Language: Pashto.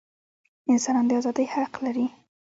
انسانان د ازادۍ حق لري.